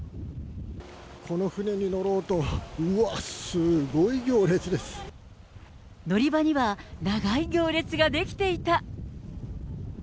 この船に乗ろうと、うわー、乗り場には、長い行列が出来ていた。